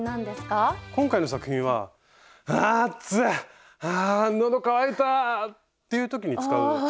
今回の作品は「あ暑い！あ喉渇いた！」っていう時に使うあれです。